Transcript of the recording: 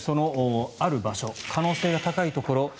そのある場所可能性が高いところ。